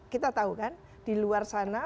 kita tahu kan di luar sana